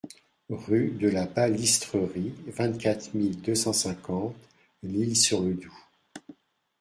Rue de la Balistrerie, vingt-cinq mille deux cent cinquante L'Isle-sur-le-Doubs